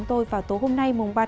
gió nam câm năm